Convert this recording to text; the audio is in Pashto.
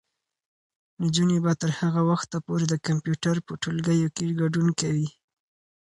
نجونې به تر هغه وخته پورې د کمپیوټر په ټولګیو کې ګډون کوي.